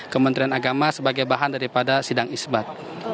kementerian agama sebagai bahan daripada sidang isbat